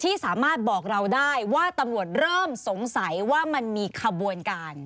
ที่สามารถบอกเราได้ว่าตำรวจเริ่มสงสัยว่ามันมีขบวนการ